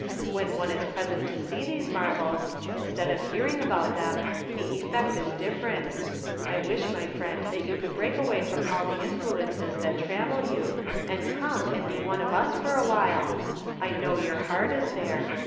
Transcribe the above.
When one is present to sec these marvels, instead of hearing about them, the efPect is different. I wish, my friend, that you could break away from all the influences that tram mel you, and come and be one of us for awhile. I know your heart is there.